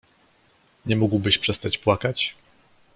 Nie mógłbyś przestać płakać?